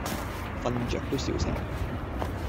瞓著都笑醒